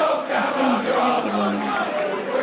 აქედან ოთხჯერ პირველ ნომრად.